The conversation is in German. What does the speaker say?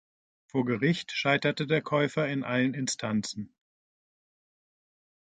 Vor Gericht scheiterte der Käufer in allen Instanzen.